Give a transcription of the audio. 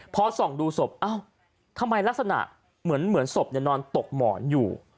พอส่องดูศพเอ้าทำไมลักษณะเหมือนศพนอนตกหมอนอยู่